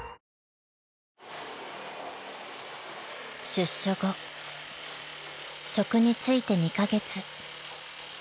［出所後職に就いて２カ月］